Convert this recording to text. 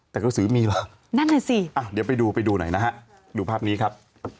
แต่ก็ซื้อมีเหรอนั่นแหละสิเดี๋ยวไปดูไหนดูภาพนี้ครับ